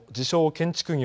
・建築業、